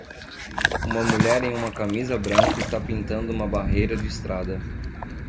Uma mulher em uma camisa branca está pintando uma barreira de estrada.